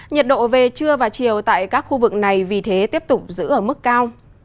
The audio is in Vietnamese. nhiệt độ về trưa và chiều tại các khu vực này vì thế tiếp tục giữ ở mức cao